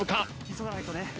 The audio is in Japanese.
急がないとね。